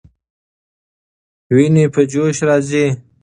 ويني په جوش راځي.